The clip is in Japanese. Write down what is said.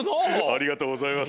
ありがとうございます。